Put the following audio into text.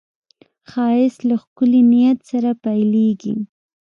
ښایست له ښکلي نیت سره پیلېږي